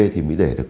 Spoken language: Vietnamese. thì mới để được